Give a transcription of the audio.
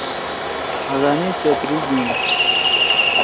ہاگا می چھتری گھیِن۔